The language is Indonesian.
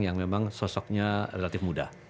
yang memang sosoknya relatif muda